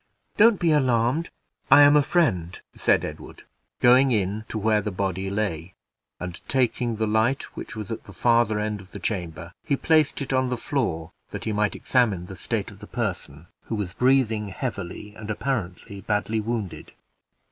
"Don't be alarmed, I am a friend," said Edward, going in to where the body lay; and, taking the light which was at the farther end of the chamber, he placed it on the floor, that he might examine the state of the person, who was breathing heavily, and apparently badly wounded.